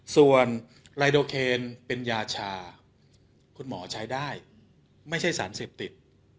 ส่วนไลโดเคนเป็นยาชาคุณหมอใช้ได้ไม่ใช่สารเสพติด